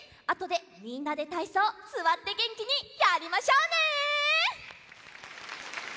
あとでみんなでたいそうすわってげんきにやりましょうね！